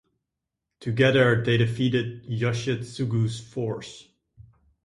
Together, they defeated Yoshitsugu's force.